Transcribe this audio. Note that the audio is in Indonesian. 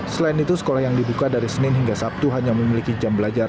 selain itu sekolah yang dibuka dari senin hingga sabtu hanya memiliki jam belajar